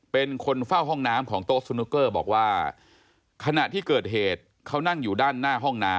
เป็นคนเฝ้าห้องน้ำของโต๊ะสนุกเกอร์บอกว่าขณะที่เกิดเหตุเขานั่งอยู่ด้านหน้าห้องน้ำ